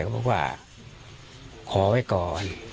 บอกว่าขอไว้ก่อน